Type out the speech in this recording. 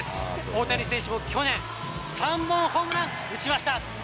大谷選手も去年、３本、ホームラン打ちました。